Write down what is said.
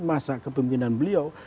masa kepemimpinan beliau